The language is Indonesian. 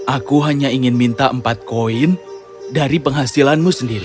aku hanya ingin minta empat koin dari penghasilanmu sendiri